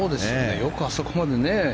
よくあそこまでね。